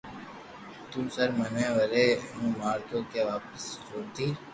تو سر مني وري ايوُ مارتو ڪي واپسي ڇوتي